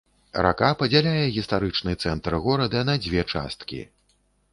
Рака падзяляе гістарычны цэнтр горада на дзве часткі.